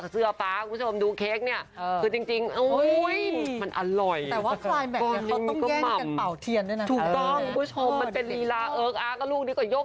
อยู่แม่ยังไม่ได้อันพลาดเลย